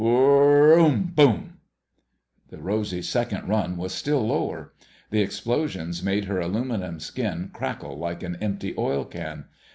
WHR R ROOM! BOOM! The Rosy's second run was still lower. The explosions made her aluminum skin crackle like an empty oil can.